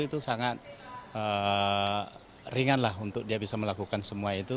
itu sangat ringan lah untuk dia bisa melakukan semua itu